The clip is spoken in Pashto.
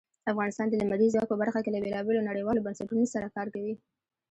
افغانستان د لمریز ځواک په برخه کې له بېلابېلو نړیوالو بنسټونو سره کار کوي.